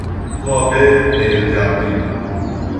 تابع غیر جبری